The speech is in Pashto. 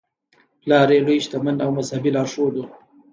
پلار یې لوی شتمن او مذهبي لارښود و.